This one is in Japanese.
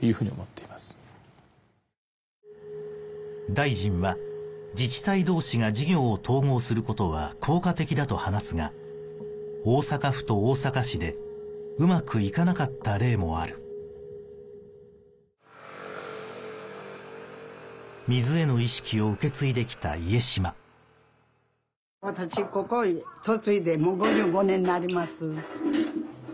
大臣は自治体同士が事業を統合することは効果的だと話すが大阪府と大阪市でうまくいかなかった例もある水への意識を受け継いできた家島私ここに嫁いでもう５５年になります。